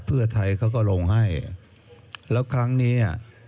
เพื่อไทยเขาก็ลงให้แล้วครั้งนี้อ่ะ